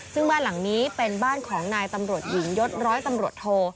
ซึ่งบ้านหลังนี้เป็นบ้านของนายตำรวจหญิงยศร้อยตำรวจโท